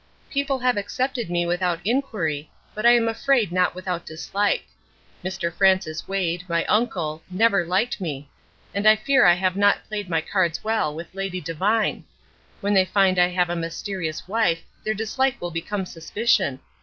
"People have accepted me without inquiry, but I am afraid not without dislike. Mr. Francis Wade, my uncle, never liked me; and I fear I have not played my cards well with Lady Devine. When they find I have a mysterious wife their dislike will become suspicion.